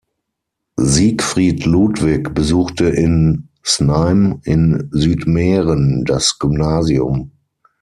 Siegfried Ludwig besuchte in Znaim in Südmähren das Gymnasium.